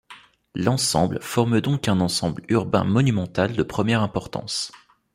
L'ensemble forme donc un ensemble urbain monumental de première importance.